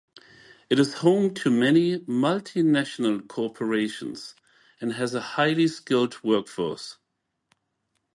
It is home to many multinational corporations and has a highly skilled workforce.